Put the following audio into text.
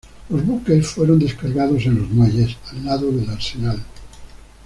Los buques fueron descargados en los muelles, al lado del arsenal.